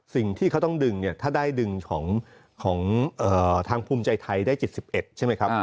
สิ่งที่เขาต้องดึงเนี่ยถ้าได้ดึงของทางภูมิใจไทยได้๗๑ใช่ไหมครับ